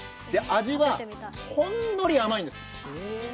味は、ほんのり甘いんです。